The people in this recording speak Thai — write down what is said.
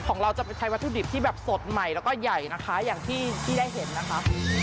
ของเราจะไปใช้วัตถุดิบที่แบบสดใหม่แล้วก็ใหญ่นะคะอย่างที่ได้เห็นนะคะ